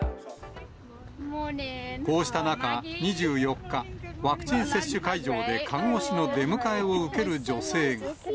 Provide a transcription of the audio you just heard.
こうした中、２４日、ワクチン接種会場で看護師の出迎えを受ける女性が。